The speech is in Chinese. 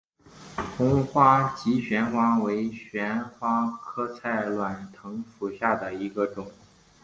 红花姬旋花为旋花科菜栾藤属下的一个种。